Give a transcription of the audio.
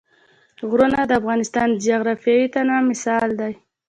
غرونه د افغانستان د جغرافیوي تنوع مثال دی.